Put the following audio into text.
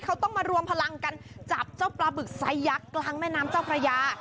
เขาต้องมารวมพลังกันจับเจ้าปลาบึกไซสยักษ์กลางแม่น้ำเจ้าพระยา